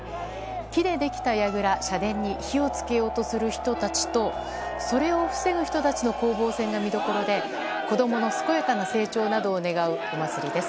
木でできたやぐら・社殿に火を付けようとする人たちとそれを防ぐ人たちの攻防戦が見どころで子供の健やかな成長などを願うお祭りです。